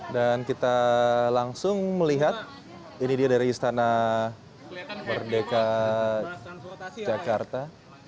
dan kita langsung melihat ini dia dari istana merdeka jakarta